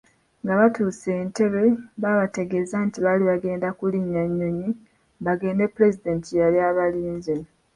Nga batuuse Entebbe babategeeza nti baali bagenda kulinnya nnyonyi bagende Pulezidenti gye yali abalinze.